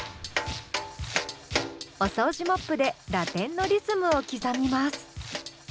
お掃除モップでラテンのリズムを刻みます。